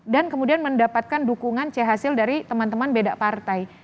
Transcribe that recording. dan kemudian mendapatkan dukungan c hasil dari teman teman beda partai